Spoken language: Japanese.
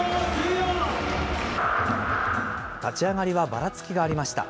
立ち上がりはばらつきがありました。